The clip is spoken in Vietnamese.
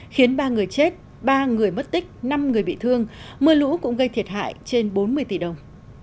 khiến ba người chết ba người mất tích năm người bị thương mưa lũ cũng gây thiệt hại trên bốn mươi tỷ đồng